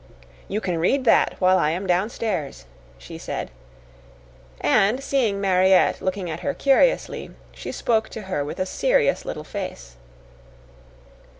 "You can read that while I am downstairs," she said; and, seeing Mariette looking at her curiously, she spoke to her with a serious little face.